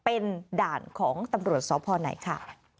เป็นด่านของตำรวจสพไหนค่ะ